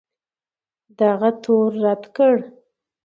دغه تور رد کړ